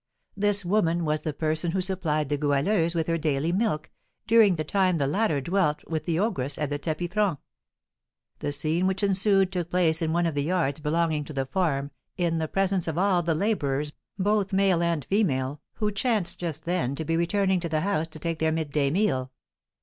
This woman was the person who supplied the Goualeuse with her daily milk, during the time the latter dwelt with the ogress at the tapis franc. The scene which ensued took place in one of the yards belonging to the farm, in the presence of all the labourers, both male and female, who chanced just then to be returning to the house to take their mid day meal.